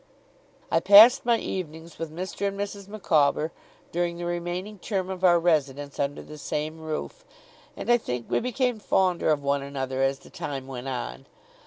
I passed my evenings with Mr. and Mrs. Micawber, during the remaining term of our residence under the same roof; and I think we became fonder of one another as the time went on.